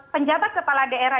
penjabat kepala daerah